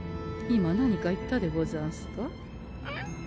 今何か言ったでござんすか？